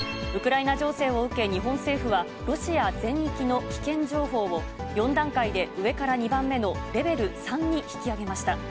ウクライナ情勢を受け、日本政府は、ロシア全域の危険情報を、４段階で上から２番目のレベル３に引き上げました。